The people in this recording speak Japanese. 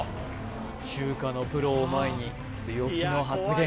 中華のプロを前に強気の発言